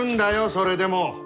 それでも！